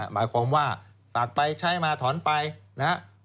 หมายความว่าตากไปใช้มาถอนไปนะครับ